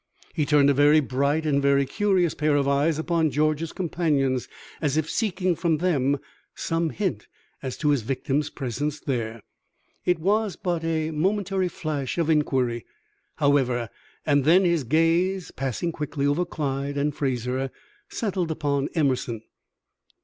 He turned a very bright and very curious pair of eyes upon George's companions, as if seeking from them some hint as to his victim's presence there. It was but a momentary flash of inquiry, however, and then his gaze, passing quickly over Clyde and Fraser, settled upon Emerson.